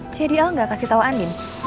jadi al gak kasih tau andin